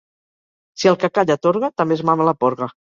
Si el que calla atorga, també es mama la porga.